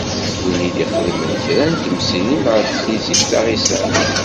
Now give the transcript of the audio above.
Win i d-ixeddmen kra n temsirin ɣef Tfizikt taɣisant.